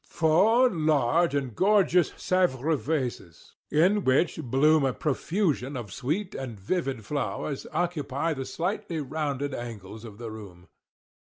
Four large and gorgeous Sevres vases, in which bloom a profusion of sweet and vivid flowers, occupy the slightly rounded angles of the room.